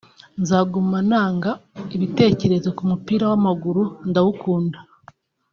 nzaguma ntanga ibitekerezo ku mupira w’amaguru ndawukunda